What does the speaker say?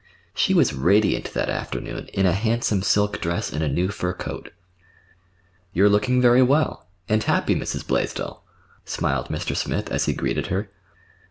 She was radiant that afternoon in a handsome silk dress and a new fur coat. "You're looking very well—and happy, Mrs. Blaisdell," smiled Mr. Smith as he greeted her.